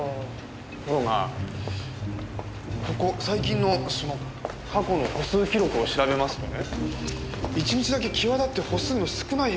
ところがここ最近の過去の歩数記録を調べますとね１日だけ際立って歩数の少ない日があるんですよ。